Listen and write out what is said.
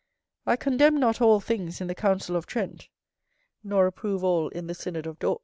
I condemn not all things in the council of Trent, nor approve all in the synod of Dort.